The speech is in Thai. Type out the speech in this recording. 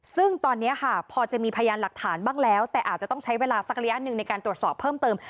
ซึ่งตอนนี้ค่ะพอจะมีพยานหลักฐานบ้างแล้วแต่อาจจะต้องใช้เวลาสักระยะหนึ่งในการตรวจสอบเพิ่มเติม